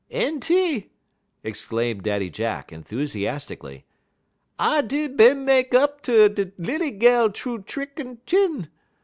"Enty!" exclaimed Daddy Jack, enthusiastically, "I did bin mek up ter da' lilly gal troo t'ick un t'in.